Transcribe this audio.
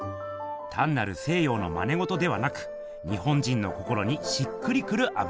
たんなる西ようのまねごとではなく日本人の心にしっくりくる油絵！